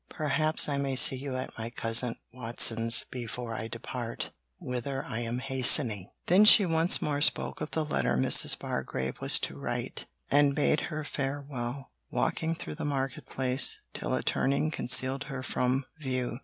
Perhaps I may see you at my cousin Watson's before I depart whither I am hastening.' Then she once more spoke of the letter Mrs. Bargrave was to write, and bade her farewell, walking through the market place, till a turning concealed her from view.